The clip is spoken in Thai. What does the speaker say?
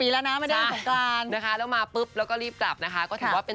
แล้วมาปุ๊บแล้วก็รีบกลับนะครับ